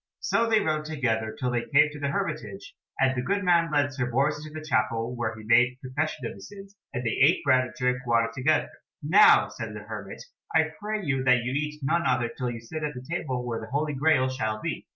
So they rode together till they came to the hermitage, and the good man led Sir Bors into the chapel, where he made confession of his sins, and they ate bread and drank water together. "Now," said the hermit, "I pray you that you eat none other till you sit at the table where the Holy Graal shall be."